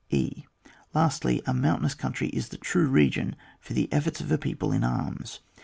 e. Lastly, a mountainous country is the true region for the efforts of a people in arms.